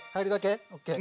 ＯＫ。